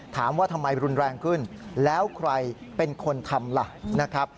ถามว่าทำไมรุนแรงขึ้นแล้วใครเป็นคนทำล่ะนะครับ